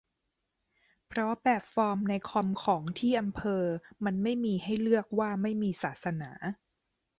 เพราะแบบฟอร์มในคอมของที่อำเภอมันไม่มีให้เลือกว่าไม่มีศาสนา